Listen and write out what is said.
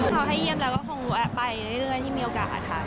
เขาให้เยี่ยมแต่ก็คงแอ๊ะไปได้เรื่อยที่มีโอกาสอาทารณ์